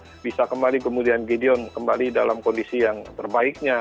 ketika mereka bisa kembali fokus bisa kembali kemudian gideon kembali dalam kondisi yang terbaiknya